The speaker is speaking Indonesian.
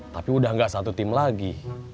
tapi udah gak satu tim lagi